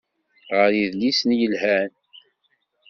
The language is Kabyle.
Ɣer idlisen yelhan.